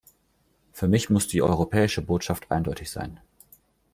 Für mich muss die europäische Botschaft eindeutig sein.